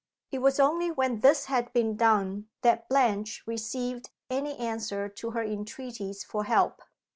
It was only when this had been done that Blanche received any answer to her entreaties for help.